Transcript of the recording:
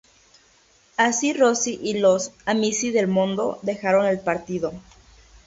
Así Rossi y los "Amici del Mondo" dejaron el partido.